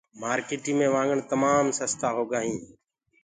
مآرڪيٚٽي مي وآگڻ تمآم سستآ هوندآ هينٚ